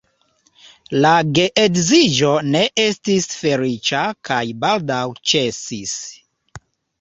La geedziĝo ne estis feliĉa kaj baldaŭ ĉesis.